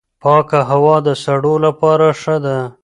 پاکه هوا د سږو لپاره ښه ده.